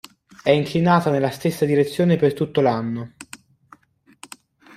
È inclinata nella stessa direzione per tutto l'anno.